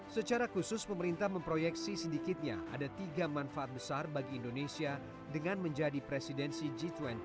secara khusus pemerintah memproyeksi sedikitnya ada tiga manfaat besar bagi indonesia dengan menjadi presidensi g dua puluh